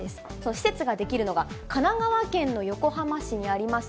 施設が出来るのが、神奈川県の横浜市にあります